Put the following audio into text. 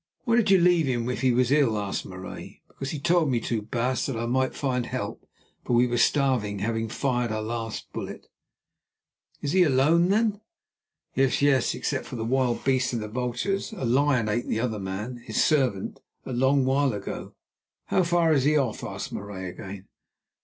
"Why did you leave him if he was ill?" asked Marais. "Because he told me to, baas, that I might find help, for we were starving, having fired our last bullet." "Is he alone, then?" "Yes, yes, except for the wild beasts and the vultures. A lion ate the other man, his servant, a long while ago." "How far is he off?" asked Marais again.